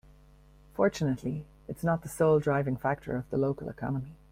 Fortunately its not the sole driving factor of the local economy.